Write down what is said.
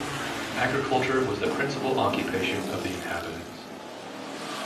Agriculture was the principal occupation of the inhabitants.